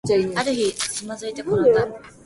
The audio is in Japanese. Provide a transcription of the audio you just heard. ある日、つまずいてころんだ